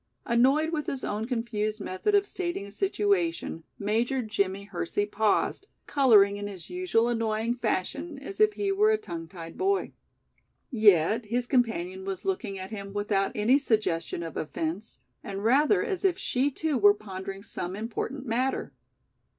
Annoyed with his own confused method of stating a situation, Major Jimmie Hersey paused, coloring in his usual annoying fashion, as if he were a tongue tied boy. Yet his companion was looking at him without any suggestion of offense, and rather as if she too were pondering some important matter.